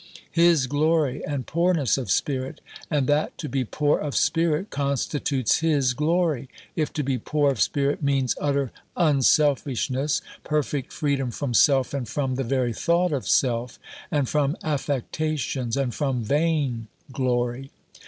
His "glory" and poorness of spirit and that to be "poor of spirit" constitutes His glory, if to be poor of spirit means utter unselfishness, perfect freedom from self and from the very thought of self, and from affectations and from "vain glory."